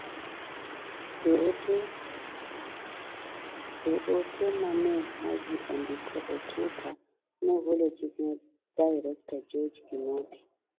E ote ma ne Haji ondiko e twitter, nogolo chik ne Director George Kinoti